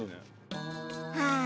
はあ。